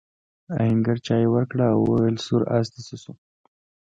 آهنګر چايي ورکړه او وویل سور آس دې څه شو؟